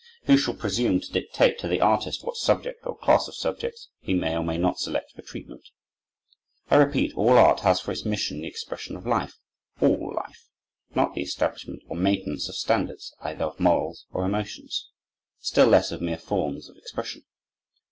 Who shall presume to dictate to the artist what subject, or class of subjects, he may or may not select for treatment? I repeat, all art has for its mission the expression of life, all life; not the establishment or maintenance of standards either of morals or emotions; still less of mere forms of expression.